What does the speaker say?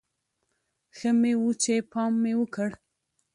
ښه مې و چې پام مې وکړ.